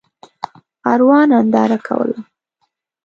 ارواح ننداره کوله.